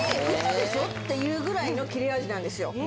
ウソでしょ？っていうぐらいの切れ味なんですよ